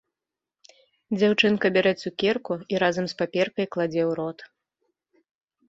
Дзяўчынка бярэ цукерку і разам з паперкай кладзе ў рот.